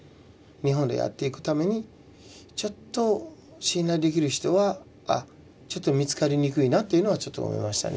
日本でやっていくためにちょっと信頼できる人は見つかりにくいなというのはちょっと思いましたね